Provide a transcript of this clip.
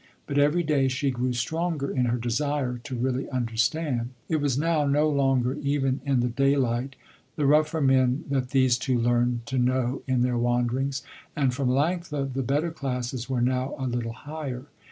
But every day she grew stronger in her desire to really understand. It was now no longer, even in the daylight, the rougher men that these two learned to know in their wanderings, and for Melanctha the better classes were now a little higher.